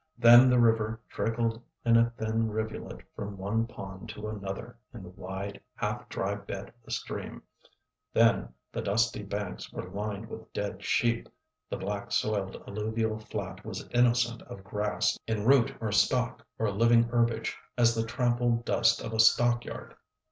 Then the river trickled in a thin rivulet from one pond to another in the wide, half dry bed of the stream; then the dusty banks were lined with dead sheep; the black soiled alluvial flat was innocent of grass in root or stalk or living herbage as the trampled dust of a stockyard.